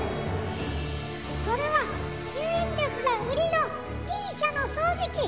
それは吸引力がウリのＤ社の掃除機！